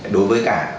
đối với cả